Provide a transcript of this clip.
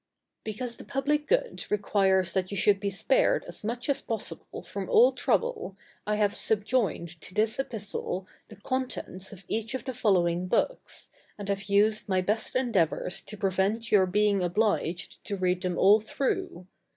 Because the public good requires that you should be spared as much as possible from all trouble, I have subjoined to this epistle the contents of each of the following books, and have used my best endeavors to prevent your being obliged to read them all through.